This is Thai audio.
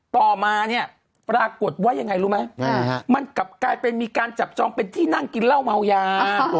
ต่อมาเนี้ยปรากฏไว้ยังไงรู้ไหมเอ้ามันกลับไปมีการจับจองเป็นที่นั่งกินร่าวเมาย้า